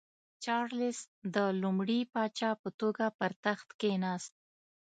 چارلېس د لومړي پاچا په توګه پر تخت کېناست.